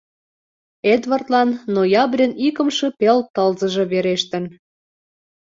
Эдвардлан ноябрьын икымше пел тылзыже верештын.